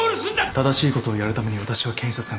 正しいことをやるために私は検察官になった。